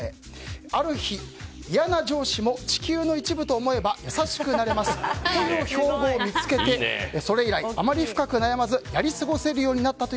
ある日嫌な上司も地球の一部と思えば優しくなれます。という標語を見つけてそれ以来あまり深く考えなくなりました。